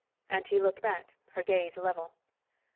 And she looked back, her gaze level.